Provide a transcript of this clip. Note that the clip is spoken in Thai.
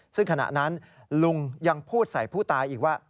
ซึ่งขณะนั้นลุงยังพูดใส่ผู้ตายอีกว่า